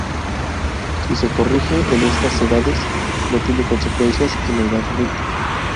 Si se corrige en estas edades, no tiene consecuencias en la edad adulta.